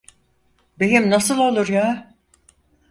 Beyim, nasıl olur ya?